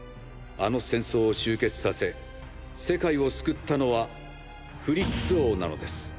あの戦争を終結させ世界を救ったのはフリッツ王なのです。